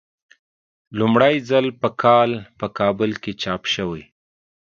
لومړی ځل په کال په کابل کې چاپ شوی.